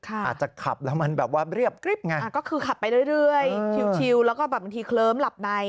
อาจจะขับแล้วมันแบบว่าเรียบกริ๊บไงก็คือขับไปเรื่อยชิวแล้วก็แบบบางทีเคลิ้มหลับใน